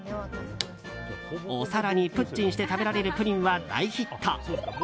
お皿にプッチンして食べられるプリンは大ヒット。